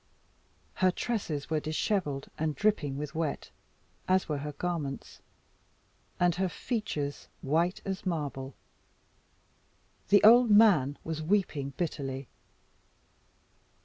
Her tresses were dishevelled, and dripping with wet, as were her garments; and her features white as marble. The old man was weeping bitterly.